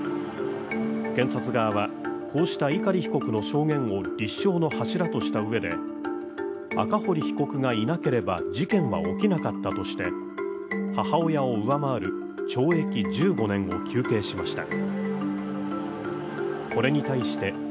検察側はこうした碇被告の証言を立証の柱としうえで赤堀被告がいなければ事件は起きなかったとして母親を上回る懲役１５年を求刑しました。